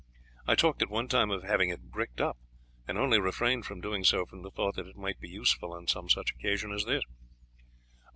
I talked at one time of having it bricked up, and only refrained from doing so from the thought that it might be useful on some such occasion as this.